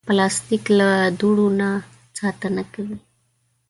پلاستيک له دوړو نه ساتنه کوي.